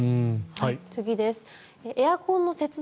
次です。